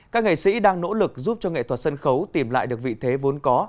các nghệ sĩ đang nỗ lực giúp cho nghệ thuật sân khấu tìm lại được vị thế vốn có